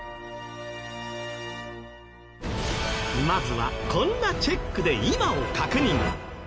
まずはこんなチェックで今を確認。